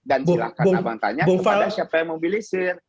dan silahkan abang tanya kepada siapa yang mau membilisir